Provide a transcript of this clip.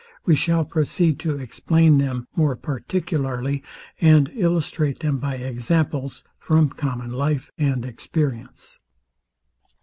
We shall proceed to explain them more particularly, and illustrate them by examples from common life and experience.